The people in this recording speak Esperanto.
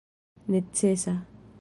necesa